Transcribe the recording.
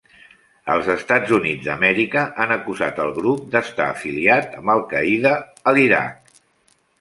Els Estats Units d'Amèrica han acusat al grup d'estar afiliat amb Al-Qaida a l'Iraq.